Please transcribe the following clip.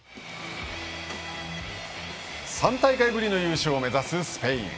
３大会ぶりの優勝を目指すスペイン。